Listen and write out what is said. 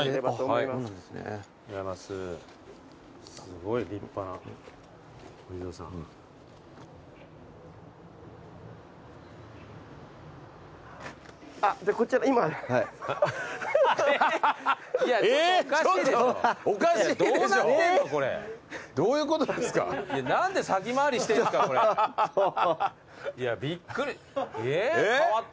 いやびっくり。